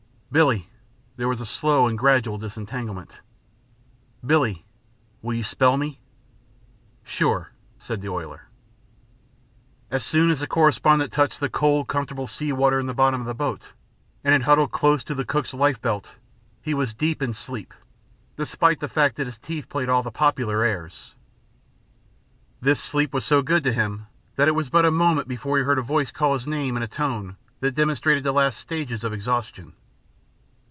"Billie!" There was a slow and gradual disentanglement. "Billie, will you spell me?" "Sure," said the oiler. As soon as the correspondent touched the cold comfortable sea water in the bottom of the boat, and had huddled close to the cook's life belt he was deep in sleep, despite the fact that his teeth played all the popular airs. This sleep was so good to him that it was but a moment before he heard a voice call his name in a tone that demonstrated the last stages of exhaustion.